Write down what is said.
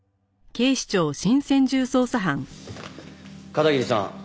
片桐さん。